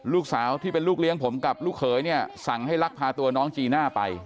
ลูกสาวที่เป็นลูกเลี้ยงผมกับลูกเขยเนี่ยสั่งให้ลักพาตัวน้องจีน่าไป